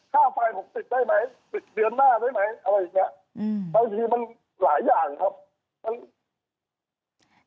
ข้าวไฟผมติดได้ไหมติดเดือนหน้าได้ไหมอะไรอย่างนี้